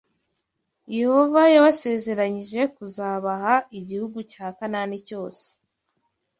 Yehova yabasezeranyije kuzabaha igihugu cya Kanani cyose